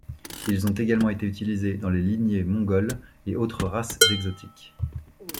Ils ont également été utilisés dans les lignées Mongoles et autres races exotiques.